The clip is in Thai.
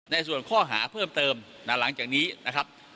ในส่วนข้อหาเพิ่มเติมหลังจากนี้นะครับ